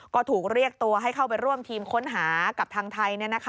ก็ถูกเรียกตัวให้เข้าไปร่วมทีมค้นหากับทางไทย